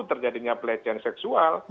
terjadinya pelecehan seksual